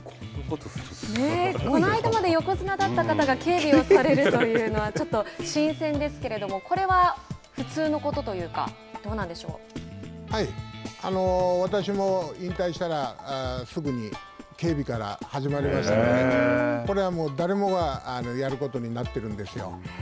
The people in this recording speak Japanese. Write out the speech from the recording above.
この間まで横綱だった方が警備をされるというのはちょっと新鮮ですけれどもこれは普通のことというか私も引退したらすぐに警備から始まりましたのでこれはもう誰もがやることになっているんですよ。